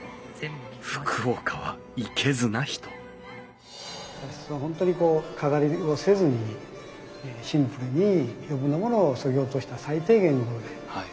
福岡はいけずな人茶室は本当にこう飾りをせずにシンプルに余分なものをそぎ落とした最低限なもので。